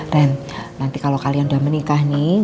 nanti kalau kalian udah menikah nih